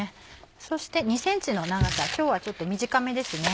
そして２ｃｍの長さ今日はちょっと短めですね。